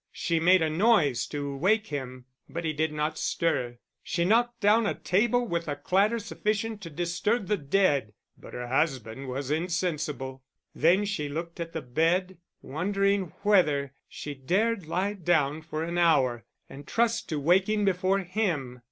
She made a noise to wake him, but he did not stir; she knocked down a table with a clatter sufficient to disturb the dead, but her husband was insensible. Then she looked at the bed, wondering whether she dared lie down for an hour, and trust to waking before him.